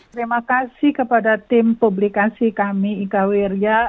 terima kasih kepada tim publikasi kami ika wirja